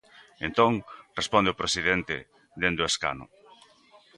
Entón, responde o presidente dende o escano.